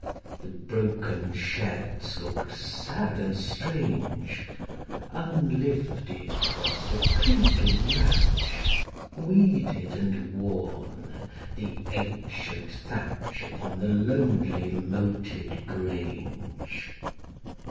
The broken sheds look'd sad and strange: Unlifted was the clinking latch; Weeded and worn the ancient thatch Upon the lonely moated grange.